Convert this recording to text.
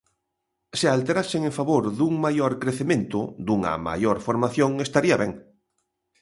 Se alterasen en favor dun maior crecemento, dunha maior formación, estaría ben.